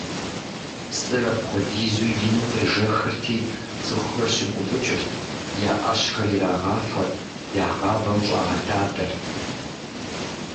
Псыр апхуэдизу ину къежэхырти, цӀыхухэр щыгуфӀыкӀырт: я Ӏэщхэр ирагъафэрт, я гъавэм щӀагъэлъадэрт.